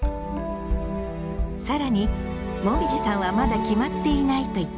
更にもみじさんはまだ決まっていないと言っていた「志望校」。